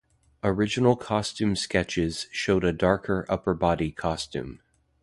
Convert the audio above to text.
Original costume sketches showed a darker upper body costume.